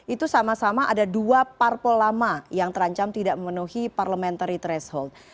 itu sama sama ada dua parpol lama yang terancam tidak memenuhi parliamentary threshold